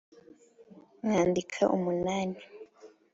nkandika umunani